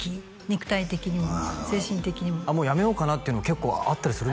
肉体的にも精神的にももうやめようかなっていうの結構あったりするんですか？